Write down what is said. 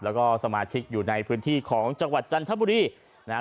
แล้วก็สมาชิกอยู่ในพื้นที่ของจังหวัดจันทบุรีนะฮะ